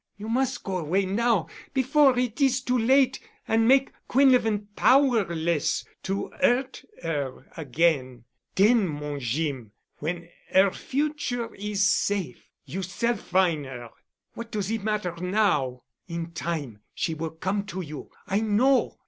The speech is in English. You mus' go away now before it is too late an' make Quinlevin powerless to 'urt 'er again.. Den, mon Jeem, when 'er future is safe, you s'all fin' 'er. What does it matter now? In time she will come to you. I know.